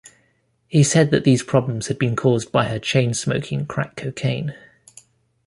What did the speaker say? He said that these problems had been caused by her chain smoking crack cocaine.